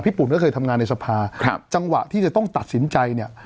ปุ่นก็เคยทำงานในสภาครับจังหวะที่จะต้องตัดสินใจเนี่ย